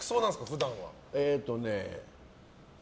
普段は。